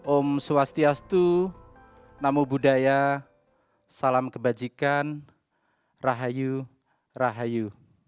om swastiastu namo buddhaya salam kebajikan rahayu rahayu